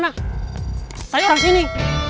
nah saya harus sini